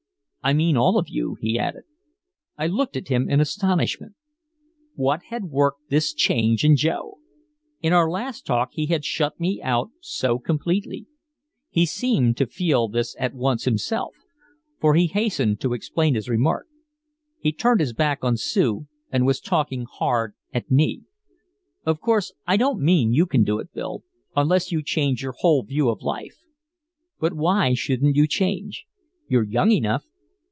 "I mean all of you," he added. I looked at him in astonishment. What had worked this change in Joe? In our last talk he had shut me out so completely. He seemed to feel this at once himself, for he hastened to explain his remark. He had turned his back on Sue and was talking hard at me: "Of course I don't mean you can do it, Bill, unless you change your whole view of life. But why shouldn't you change? You're young enough.